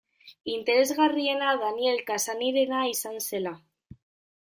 Interesgarriena Daniel Cassany-rena izan zela.